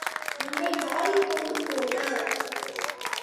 உன்னை வாரிக் கொண்டு போக.